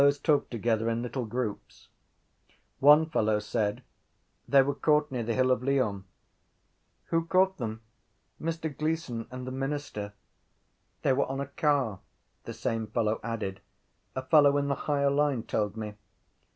The fellows talked together in little groups. One fellow said: —They were caught near the Hill of Lyons. —Who caught them? —Mr Gleeson and the minister. They were on a car. The same fellow added: —A fellow in the higher line told me.